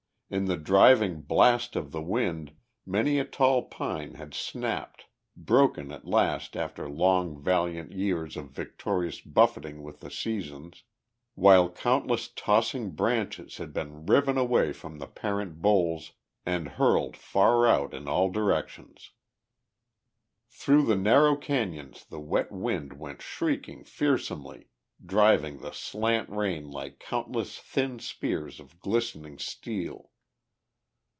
In the driving blast of the wind many a tall pine had snapped, broken at last after long valiant years of victorious buffeting with the seasons, while countless tossing branches had been riven away from the parent boles and hurled far out in all directions. Through the narrow cañons the wet wind went shrieking fearsomely, driving the slant rain like countless thin spears of glistening steel.